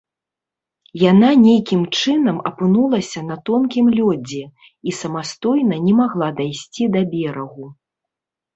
Яна нейкім чынам апынулася на тонкім лёдзе і самастойна не магла дайсці да берагу.